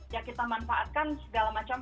ya kita manfaatkan segala macam